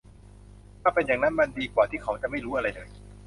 ถ้าเป็นอย่างนั้น มันดีกว่าที่เขาจะไม่รู้อะไรเลย